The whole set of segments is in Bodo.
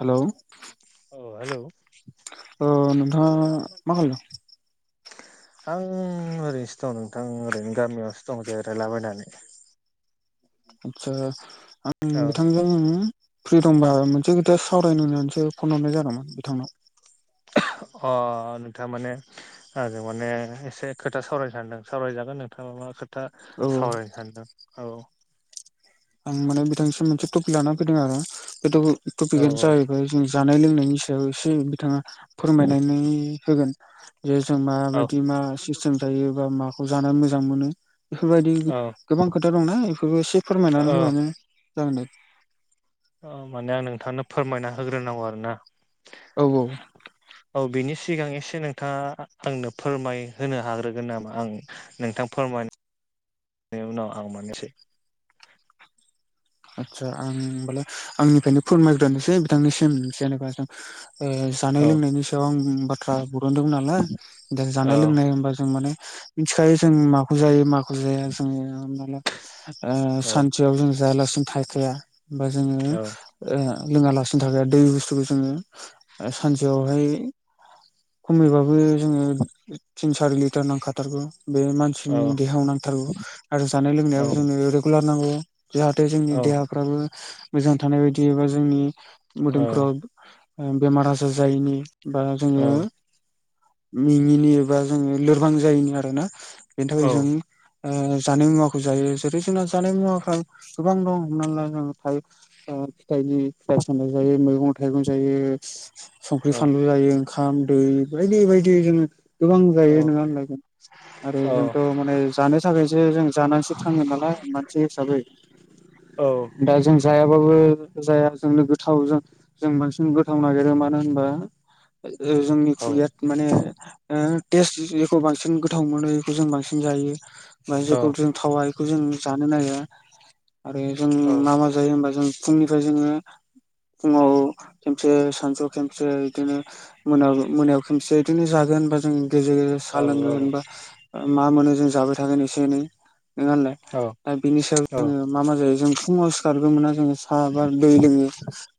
हेलौ औ हेलौ ओ नोंथाङा मा खालायदों? आं ओरैनोसो दं नोंथां ओरैनो गामियावसो दं जेरायला बायनानै। आदसा आं औ नोथांजों फ्रि दंबा मोनसे खोदा सावरायनो होनानैसो फन हरनाय जादोंमोन बिथांनाव। अ' नोथाङा माने आंजो माने एसे खोथा सावरायनो सानदों सावरायजागोन नोंथाङा मा खो था औ सावरायनो सान्दों औ आं माने बिथांसिम मोनसे टपिक लाना फैदों आरो बे द औ टपिकानो जाहैबाय जों जानाय लोंनायनि सायाव एसे बिथाङा फोरमायनानै होगोन। जे जों माबायदि मा सिस्टेम जायो बा माखौ जाना मोजां मोनो। बेफोर बादि औ गो-गोबां खोथा दंना इफोरबो एसे औ फोरमायनानै होबानो जागोन दे। अ' माने आं नोंथांनो फोरमायना होग्रोनांगौ आरो ना। औ औ औ बिनि सिगां एसे नोंथाङा आंनो फोरमाय होनो हाग्रोगोन नामा आं नोंथां फोरमाय [inaudible] नाय उनाव आं मोननोसै आदसा आं होमबालाय आंनिफ्रायनो फोरमायग्रोनोसै बिथांनिसिम जेनेबा जों ओ जानाय औ लोंनायनि सायाव आं बाथ्रा बरनदोंमोन नालाय दा जानाय औ लोंनाय होनबा जों माने मिन्थि खायो जों माखौ जायो माखौ जाया जोङो हमना ला ओ औ सानस सेयाव जों जायालासिनो थायखाया बा जोङो ओ औ लोङालासिनो थाखाया दै बुस्थुखौ जोङो ओ सानसेयावहाय खमैबाबो जोङो थिन सारि लिथार नांखा थारगौ। बे औ मानसिनि देहायाव नांथारगौ आरो जानाय औ लोंनायाबो जोंनो रेगुलार नांगौ। जाहाथे जों औ देहाफ्राबो मोजां थानाय बायदि एबा जोंनि मोदोम फोराव ओ बेमार आजार जायैनि बा जोङो औ मेङिनि एबा जोङो लोरबां जायिनि आरो ना बेनि औ थाखायनो जों ओ जानाय मुवाखौ जायो जेरै जोंना जानाय मुवाफ्रा गोबां दं। हमना ला जों फायब ओ फिथाइनि फिथाइ थानाय जायो मैगं थाइगं जायो। संख्रि, औ फानलु जायो ओंखाम, दै बायदि बायदि जोङो गोबां औ जायो नोङा होनलाय जों। आरो जोंथ' माने जानो थाखायसो जों जानानैसो थाङो नालाय मानसि हिसाबै। औ दा जों जायाबाबो जाया जों लोगो गोथाव जों। जों बांसिन गोथाव नागिरो मानो होनबा जोंनि खुगाया। माने टेस्ट जेखौ बांसिन गोथाव मोनो बेखौ जों बांसिन जायो। माने जेखौ जों थावायखौ जों जानो नागेरा। आरो जों मा मा जायो होनबा जों फुंनिफ्राय जोङो। फुङाव खेमसे सानसुआव खेमसे बिदिनो। मोनायावबो मोनायाव खेमसे बिदिनो जागोन होनबा जों गेजेर गेजेर। सा लोंगोनबा मा मोनो जों जाबाय थागोन एसे एनै। नोङा होनलाय औ दा बिनि सायाव जोङो मा मा जायो जों फुङाव सिखारगबो मोना जोङो। साहा बा दै लोङो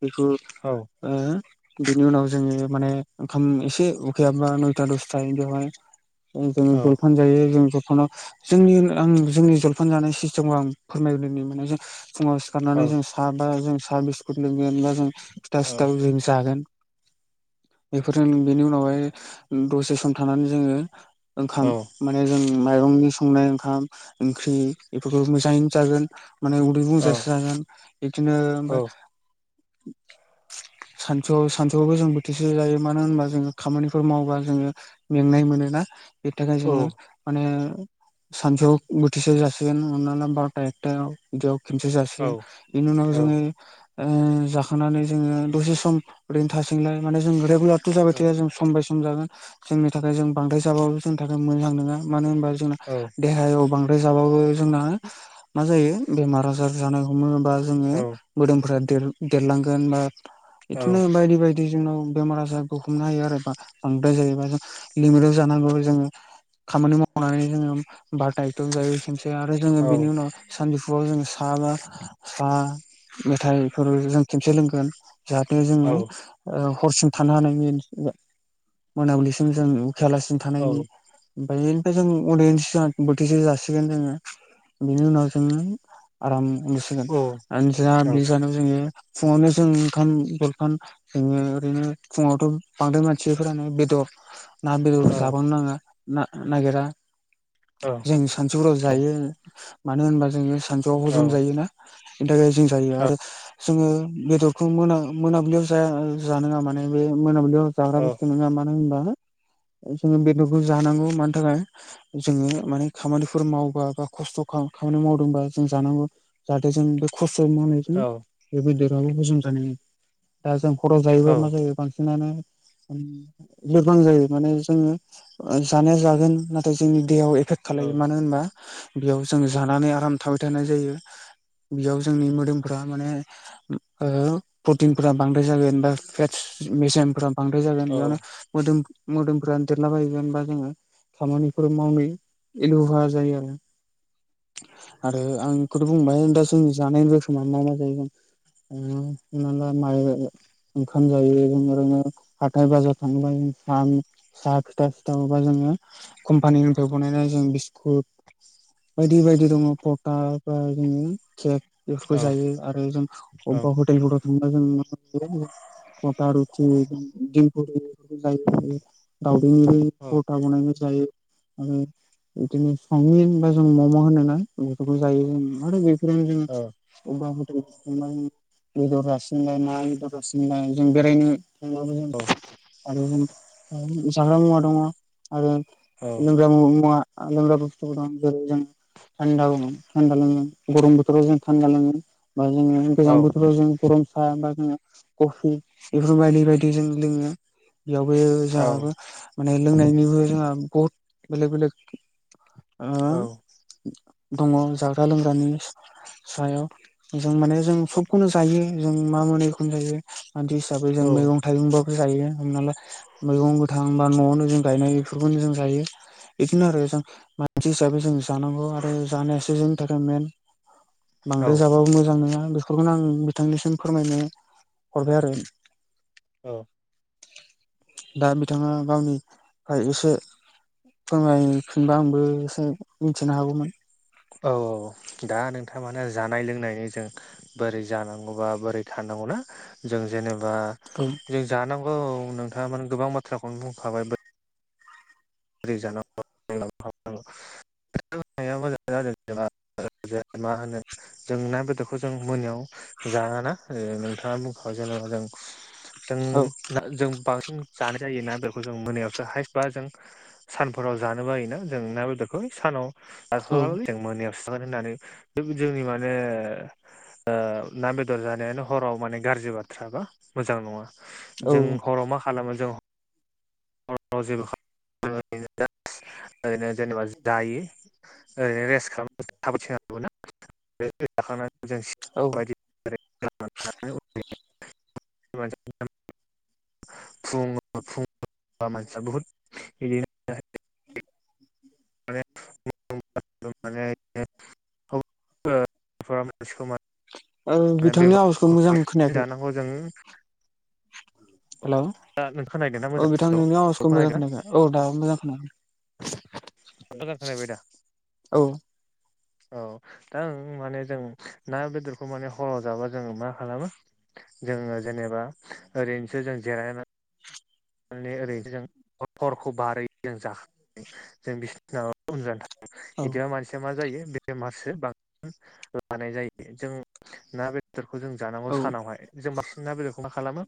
बेखौ ओ। बिनि उनाव जोङो माने ओंखाम एसे उखैहाब्बा नयथा दसथा बेवहाय। जों जलफान जायो जों जलफानाव जोंनि आं जोंनि। फानजानाय सिस्टेमखौ आं फोरमायलनाय मोने जों फुङाव सिखारनानै जों। था बा जों साहा बिस्कुट लोंगोन बा जों फिथा सिथाव जों जागोन। बेफोरजों उनावहाय ओ दसे सम थानानै जोङो। ओंखाम माने जों माइरंनि संनाय ओंखाम ओंख्रि बेफोरखौ मोजाङैनो जागोन। माने उदै बुंथासे जागोन बिदिनो ओमफ्राय। सानसुआव सानसुआवबो जों बोथिसे जायो मानो होनबा जोङो खामानिफोर मावबा जोङो। मेंनाय मोनो ना। बेनि थाखाय जोङो माने सानसेआव बोथिसे जासिगोन हम ला बार'था एकथा थायाव बेदियाव खनसे जासिगोन बेनि उनाव जोङो औ ओ जाखांनानै जोङो दसे सम ओरैनो थासैलाय माने जों रेगुलारथ' जाबाय थाया जों। सम बाय सम जागोन जोंनि थाखाय जों बांद्राय जाबाबो जोंनि थाखाय मोजां नोङा मानो होनबा जोंना। देहायाव बांद्राय जाबाबो जोंना मा जायो बेमार आजार जानाय हमो बा। जोङो मोदोमफ्रा देर-देरलांगोन बिदिनो बायदि। दि जोंनाव बेमार आजारखौ हमनो हायो आरोबा बांद्राय जायोबा जों लिमिट जानांगौ जोङो। खामानि मावनानै जोङो बारटा एकटाआव जायो खनसे आरो जोङो बिनि उनाव सानजौफु आव जों हाबा सा मेथाइफोर जों खेनसे लोंगोन। जाहाथे जोङो। ओ हरसिम थानो हानायनि मोनाबिलिसिम जों उखैयाऋआसे थानो हानायनि। बेनिफ्राय जों अदियेन्स बोथिसे जासिगोन जोङो बेनि उनाव। जोङो आराम उनदुसिगोन - जोङो फुङावनो जों ओंखाम - जोङो ओरैनो फुङावथ' बांद्राय मानसिफोरानो बेदर। ना बेदर जाबां नाङा नागिरा। जों सानसुफोराव जायो मानो होनबा। जोङो सानजुआव हजम जायोना बेनि थाखाय जों जायो आरो। जोङो बेदरखौ मोना मोनाबिलियाव जाया माने मोनाबिलियाव। जाग्रा बुस्थु नङा मानो होनबा जोङो बेदरखौ जानांगौ मानि थाखाय। जोङो माने खामानिफोर मावबा बा खस्थ' खामानि माव। बा जों जानांगौ जाहाथे जों बे खस्थ' मानै जों बे देराबो हजम जानायनि। दा जों हराव जायोबा मा जायो बांसिनानो। लोरबां जायो माने जोङो जानाया जागोन नाथाय जोंनि देहायाव एपेक खालायो मानो होनबा बेयाव जों जानानै आराम थाबाय थानाय जायो। बेयाव जोंनि मोदोमफ्रा माने। ओ प्रटिनफोरा बांद्राय जागोनबा फेटस मेसियामफोरा बांद्राय जागोन बेयावनो मोदोम मोदोमफोरा देरलाबायगोन बा जोङो खामानिफोर मावनो एलुहा जायो आरो। आरो आं बेखौथ' बुंबाय दा जों जानायनिफ्रायखोमा मा मा जाहैगोन [unintelligible] ओंखाम जायो होनो रोङो हाथाय बाजार थांनाय [unintelligible] साहा फिथा सिथावोबा जोङो कम्पानिनिफ्राय बानायनानै जों [unintelligible] बायदि बायदि दङ पटा बा केक बेफोरखौ जायो आरो जों अबेबा हटेलफोराव थांबा जों [unintelligible] आता रुथि [inaudible] दावदैनिबो परता बानायना जायो। आरो बिदिनो सावमिन बा जों मम' होनो ना। बेखौबो जायो जों आरो बेफोरावनो जों हटेल म बेदर रासिनलाय मा बेदर जों बेरायनो [unintelligible] आरो ज जाग्रा मुवा दङ आरो [unintelligible] जाग्रा मुवा लोंग्रा बुस्थुबो दं जेरै जों थान्दा मोन थानदा लोंनो गरम बोथोराव जों थान्दा लोङो बा जोङो गोजां बोथोराव जों गरम सा बा जोङो कफि बेफोर बायदि बायदि जों लोङो बेयावबो जोंहाबो माने लोंनायनिबो जोंहा बहुद बेलेग बेलेक औ। दङ जाग्रा लोंग्रानि। सायाव जों माने जों सबखौनो जायो जों मा मोनो एखौनो जायो। मानसि हिसाबै जों मैगं थाइगंबो जायो हमना ला मैगं गोथां बा न'आवनो जों गायनाय बेफोरखौनो जों जायो। बिदिनो आरो जों मानसि हिसाबै जों जानांगौ आरो जानायासो जोंनि थाखाय मेन। बांद्राय जाबाबो मोजां नोङा बिथांनिसिम फोरमायनो हरबाय आरो। औ। दा बिथाङा गावनिफ्राय एसे फोरमायफिनबा आंबो एसे मिथिनो हागौमोन। औ औ दा नोंथां माने जानाय लोंनायनिजों बोरै जानांगौबा बोरै थानांगौना जों जेनेबा औ जे जानांगौ नोंथाङा माने गोबां बाथ्राखौनो बुंखाबाय बोरै जानांगौ [unintelligible] ओरैजाय मा होनो जों ना बेदरखौ जों मोनायाव जानाङाना नोंथाङा बुंखाबाय जेनेबा जों जों औ ना जों बांसिन जानाय जायो ना बेदरखौ जों मोनायावसो हायेस्ट बा जों सानफोराव जानो बायोना जों ना बेदरखौ सानाव जाथ'लालै जों मोनायावसो जागोन होननानै बेबादिनि माने ओ ना बेदर जानायानो हराव माने गाज्रि बाथ्रा बा मोजां नङा। औ जों हराव मा खालामो जों हराव जेबो [unintelligible] ओरैनो जेनेबा जायो। ओ रेस्ट खालाम औ [unintelligible] [unintelligible] फुं फुं। मानसिया बहुत इदिनो इ माने [unintelligible] माने मानसिखौ [unintelligible] ओ बिथांनि आवाजखौ मोजां खोनायाखै हजों हेल' नों खोनायदोंना औ मोजां बिथां हेलौ नोंनि आवाजखौ मोजां खोनादों खोनायाखै औ दाबो मोजां खोनायाखै मोजां खोनाबाय दा औ दा ओं माने जों ना बेदरखौ माने हराव जाबा जोंङो मा खालामो जोङो जेनेबा ओरैनोसो जों जिरायनानै माने ओरैनो जों हर हरखौ बारै जों जायो जों बिसिनि माबा जों औ इदिनो मानसि मा जायो जों बेमारसो बांसि लानाय जायो जों ना बे दरखौ जों जानांगौ औ सानावहाय जों बासिन ना बेदरखौ मा खालामो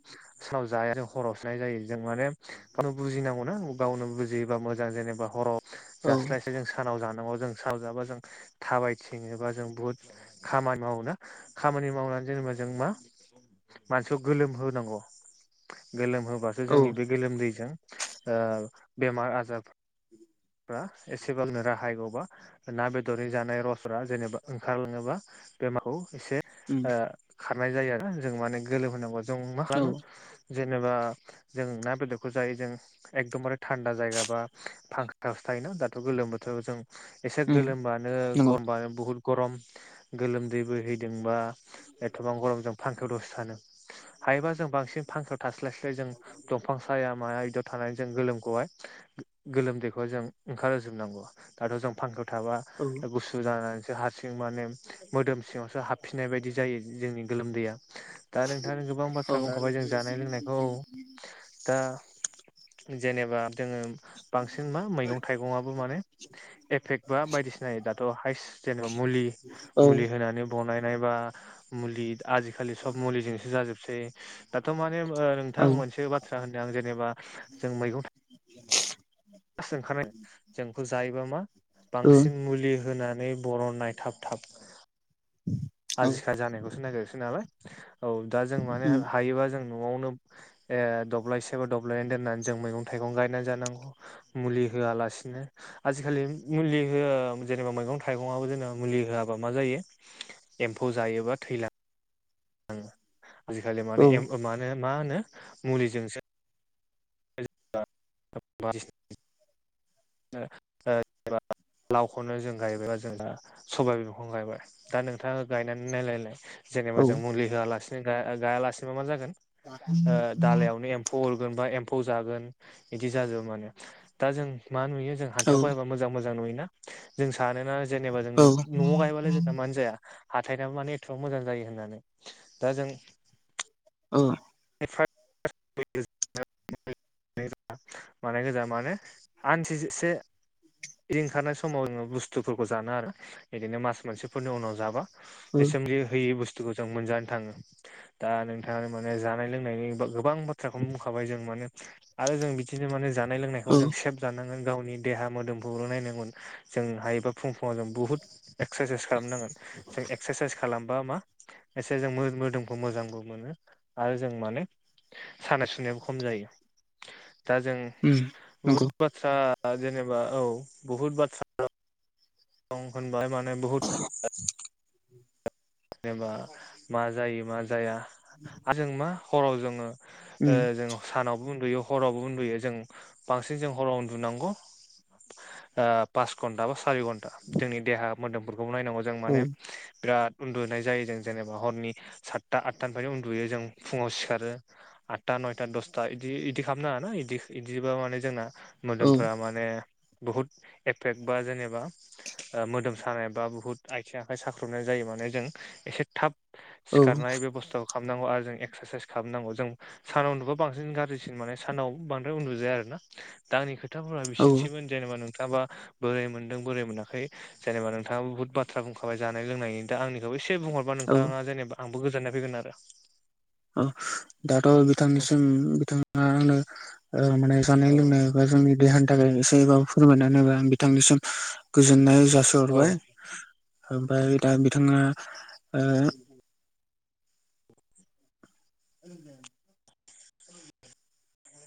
सानाव जायानो जों हरावसो जानाय जायो जों माने गावनो बुजिनांगौ ना गावनो बुजियोबा मोजां जेनेबा हराव औ जास्लायस्लाय जों स सानाव जानांगौ जों सानाव जाबा जों थाबायथिङो एबा जों बुहुद खामानि मावो ना खामानि मावनानै जेनेबा जों मा मानसिखौ गोलोम होनांगौ गोलोम होबा औ जोंनि बे गोलोमदैजों ओ बेमार आजार फ्रा एसेबांनो राहाय बावबा ना बेदरै जानाय रसफोरा जेनेबा ओंखारलाङोबा बेमारखौ एसे उम ओ खारनाय जायो आरो जों माने गोलोम होनांगौ जों मा औ खालामो जेनेबा जों ना बेदरखौ जायो जों एकदमबारे थान्दा जायगा बा फां खायावसो थायोना दाथ' गोलोम बथोर जों एसे उम गोलोमबानो नंगौ गरमबानो बुहुत गरम गोलोमदै बोहैदोंबा एथबां गरमजों फांखाआव दसे थानो हायोब जों बांसिन फांखायाव थास्लाय स्लाय जों दंफां साया माया बिदियाव थानानै जों गोलोमखौहाय गोलोमदै खौ जों ओंखारहोजोबनांगौ दाथ' जों फांखायाव थाबा औ गुसु जानानैसो हारसिं माने मोदोम सिङावसो हाब फिनाय बायदि जायो जोंनि गोलोमदैया दा नोंथाङानो गोबां औ बाथ्रा बुंखाबाय जों जानाय लोंनायखौ दा जेनेबा जोङो बांसिन मा मैगं थाइगंआबो माने एफेक्ट बा बायदिसिना दाथ' हाइस जेनेबा मुलि औ मुलि होनानै बनायनाय बा मुलि आजिखालि सब मुलिजोंसो जाजोबसै दाथ' माने ओ नोंथां मोनसे बाथ्रा होन्दों आं जेनेबा जों मैंगं थाइ दासो ओंखारनाय जों बेखौ जायोबा मा औ बांसिन मुलि होनानै बर' ननाय थाब थाब औ आजिखालि जानायखौसो नागिरसै नालाय औ दा जों माने उम हायोबा जों न'आवनो ए दब्लायसे बा दब्लायनानै दोननानै जों मैगं थाइगं गायनानै जानांगौ मुलि होआलासिनो आजिखालि मुलि होआ जेनेबा मैगं थाइगंआबो जेनबा मुलि होआबा मा जायो एम्फौ जायोबा थैलाङो ओं आजिखालि माने औ एम मानो ओ मा होनो मुलिजोंसो [unintelligible] ओ ओ बा लावखौनो जों गायबाय बा जों दा सबाइ बिमा खौवनो गायबाय दा नोंथांङा गायनानै नायलायलाय औ जेनेबा जों मुलि होआलासेनो गायालासिनोबा मा जागोन ओ दालयावनो एम्फौ हरगोन बा एम्फौ जागोन बिदि जाजोबो माने दा जों मा नुयो जों औ हाथायाव बबा मोजां मोजां नुयोना जों सानोना जेनेबा न'आव गायबालाय जों मानो जाया हाथायनाबो माने एथ'बां मोजां जायो होननानै दा जों ओ एफ्राय। । मान गोजा मानो आनसिसे। रदिखारनाय समाव जोंङो बुस्थुफोरखौ जानो आरो बिदिनो मास मोनसेफोरनि उनाव जाबा। एसेमलि होयि बुस्थुखौ जों मोनजानो थांङो दा नोंथांङा माने जानाय लोंनायनि। गोबां बाथ्राखौ बुंखाबाय जों माने आरो जों बिदिनो माने जानाय औ लोंनायखौ जों सेफ जानांगोन गावनि देहा मोदोमफोरखौल नायनांगोन जों हायोबा फुं फुंङाव जों बुहुद। एक्सारसाइस खालामनांगोन जों एक्सारसाइस खालामबा मा। एसे जों मोदोमखौ मोजांबो मोनो आरो जों मानो। सानाय सुनायाबो खम जायो। दा जों उम नंगौ बहुद बाथ्रा। आतसा जेनेबा औ बहुत बाथ्रा। दं ख बबाय माने बहुत। ई जेनेबा मा जायो मा जाया आरो जों मा हराव जोंङो। उम जों सानावबो उन्दुयो हरावबो उन्दुयो जों बांसिन जों हराव उन्दुलांनांगौ पास घन्टा बा सारि घन्टा जोंनि देहा मोदोमफोरखौबो नायनांगौ जायो। औ माने बिरात। उन्दुनाय जायो जों जेनेबा हरनि सातथा आदथा निफ्रायनो उन्दुयो जों फुंङाव सिखारो। आतथा, नयथा, दसथा बिदि बिदि खालामनो नाङा ना इदि बिदिब माने जोंना औ मोदोमफोरा मान। म बहुत एफेक्ट बा जेनेबा। मोदोम सानाय बा बुहुत आथिं आखाइ साख्रबनाय जायो माने। जों एसे थाब औ सिखारनाय बेब'स्थाखौ खालामनांगौ आरो जों एक्सारसाइस खालामनांगौ जों। सानाव उन्दुबा बांसिन गाज्रिसिन माने सानाव बांद्राय उन्दुजाया आरो ना। दा आंनि खोथाफोरा औ बिसिनिसैमोन। जेनेबा नोंथांङाबा बोरैय मोनदों बोरै मोनाखै। जेनबा नोंथाङा बहुताथ्रा बुंखाबाय जानाय लोंनायनिा आंनि। बेखौ एसे बुंहरबा नोंथांङा जेनेबा आंबो गोजोननाय फैगोन आरो। दाथ' बिथांनिसिम बिथांङा आंनो माने जानाय औ लोंनाय। एबा जोंनि देहानि थाखाय एसेबाबो फोरमायनानै आं बिथांनिसिम गोजोननाय औ जासिहरबाय। ओमफ्राय दा बिथांङा? द। उ।